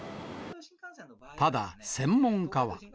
ただ、専門家は。